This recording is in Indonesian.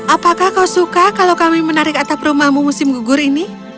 apakah kau suka kalau kami menarik atap rumahmu musim gugur ini